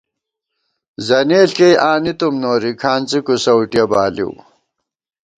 زنېݪ کېئی آنِی تُوم نوری، کھانڅی کُوسَؤٹِیَہ بالِؤ